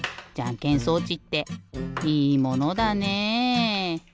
じゃんけん装置っていいものだねえ。